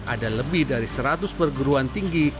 ada lebih dari seratus perguruan tinggi